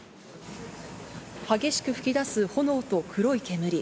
激しく噴き出す炎と黒い煙。